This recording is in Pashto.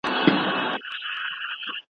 تاسو باید د مقالي لپاره یوه نوې موضوع پیدا کړئ.